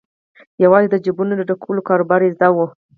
یوازې د جیبونو د ډکولو کاروبار یې زده وو.